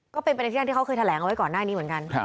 ก็เป็นไปในที่แรกที่เขาเคยแถลงเอาไว้ก่อนหน้านี้เหมือนกัน